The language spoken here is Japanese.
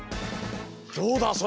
どうだ？